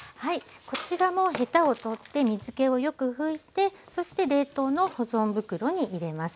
こちらもヘタを取って水けをよく拭いてそして冷凍の保存袋に入れます。